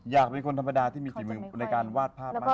อยากเป็นคนธรรมดาที่มีฝีมือในการวาดภาพมาก